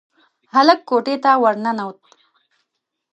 هلک کوټې ته ورننوت.